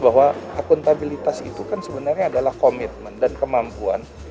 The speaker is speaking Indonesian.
bahwa akuntabilitas itu kan sebenarnya adalah komitmen dan kemampuan